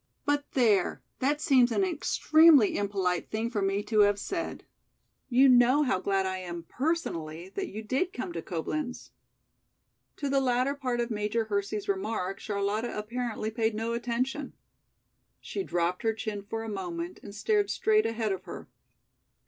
But there, that seems an extremely impolite thing for me to have said! You know how glad I am personally that you did come to Coblenz." To the latter part of Major Hersey's remark, Charlotta apparently paid no attention. She dropped her chin for a moment and stared straight ahead of her.